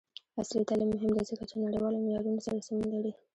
عصري تعلیم مهم دی ځکه چې نړیوالو معیارونو سره سمون لري.